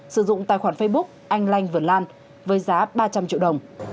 sử dụng tài khoản facebook anh lanh lan với giá ba trăm linh triệu đồng